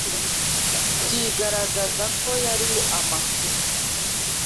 byigararaza ko yari amakosa.